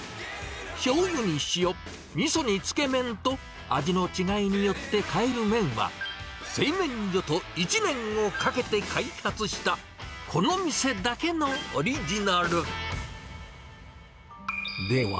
しょうゆに塩、みそにつけ麺と、味の違いによって変える麺は、製麺所と１年をかけて開発したこの店だけのオリジナル。